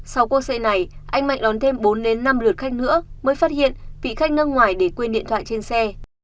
sau cuộc xe này anh mạnh đón thêm bốn năm lượt khách nữa mới phát hiện vị khách nâng ngoài để quên điện thoại trên xe